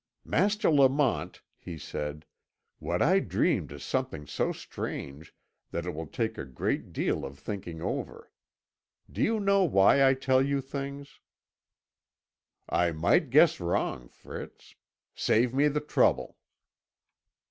"Master Lamont," he said, "what I dreamt is something so strange that it will take a great deal of thinking over. Do you know why I tell you things?" "I might guess wrong, Fritz. Save me the trouble."